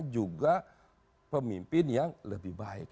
juga pemimpin yang lebih baik